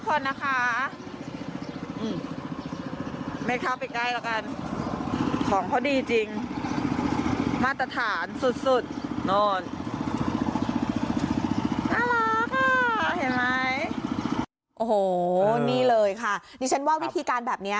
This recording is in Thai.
โอ้โหนี่เลยค่ะดิฉันว่าวิธีการแบบนี้